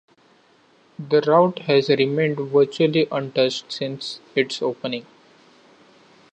The route has remained virtually untouched since its opening.